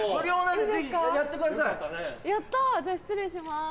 やったじゃ失礼します。